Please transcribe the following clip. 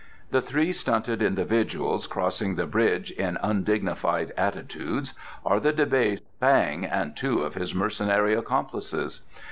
"The three stunted individuals crossing the bridge in undignified attitudes are the debased Fang and two of his mercenary accomplices.